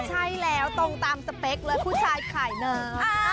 ใช่แล้วตรงตามสเปคเลยผู้ชายขายน้ำ